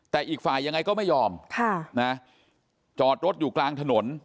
แต่อีกฝ่ายยังไงก็ไม่ยอมจอดรถอยู่กลางถนน